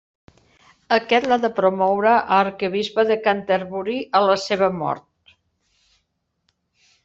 Aquest l'ha de promoure a Arquebisbe de Canterbury a la seva mort.